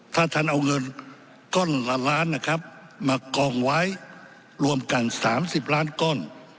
ถ้าท่านเอาเงินก้อนล้านนะครับมากองไว้รวมกัน๓๐ล้านก้อน